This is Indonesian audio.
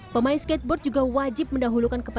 pemain skateboard juga wajib mendahulukan